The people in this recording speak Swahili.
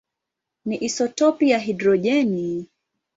ni isotopi ya hidrojeni.